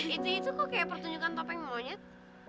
itu itu kok kayak pertunjukan topeng monyet